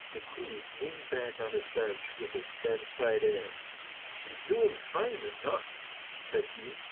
McLeod leaned back on his bench with a satisfied air. "She's doin' fine, the nicht," said he.